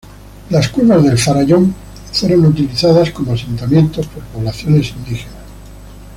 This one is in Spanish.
Las cuevas del farallón fueron utilizadas como asentamientos por poblaciones indígenas.